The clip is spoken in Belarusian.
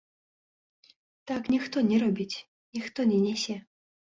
Так ніхто не робіць, ніхто не нясе.